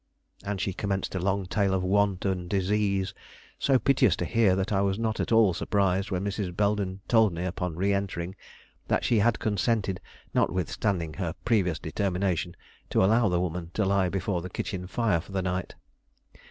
And she commenced a long tale of want and disease, so piteous to hear that I was not at all surprised when Mrs. Belden told me, upon re entering, that she had consented, notwithstanding her previous determination, to allow the woman to lie before the kitchen fire for the night.